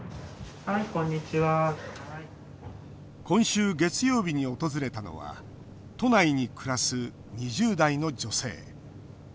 今週月曜日に訪れたのは都内に暮らす２０代の女性。